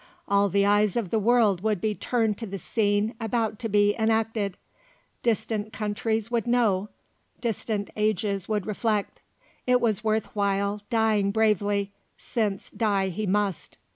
All the eyes of the world would be turned to the scene about to be enacted; distant countries would know, distant ages would reflect. It was worth while dying bravely, since die he must.